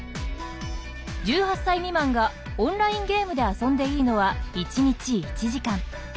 １８歳未満がオンラインゲームで遊んでいいのは一日１時間。